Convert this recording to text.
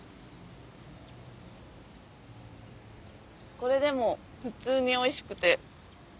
これでも普通においしくて。